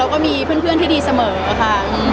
แล้วก็มีเพื่อนที่ดีเสมอค่ะ